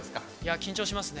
緊張しますね。